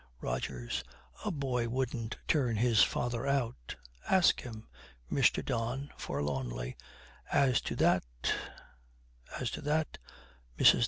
ROGERS. 'A boy wouldn't turn his father out. Ask him.' MR. DON, forlornly, 'As to that as to that ' MRS.